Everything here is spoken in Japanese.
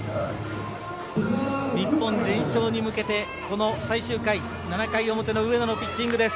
日本、連勝に向けてこの最終回７回表の上野のピッチングです。